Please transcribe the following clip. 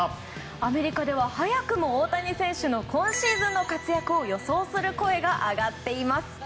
アメリカでは早くも大谷選手の今シーズンの活躍を予想する声が上がっています。